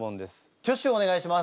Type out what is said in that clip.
挙手をお願いします。